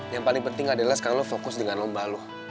yang paling penting adalah sekarang lo fokus dengan lomba lo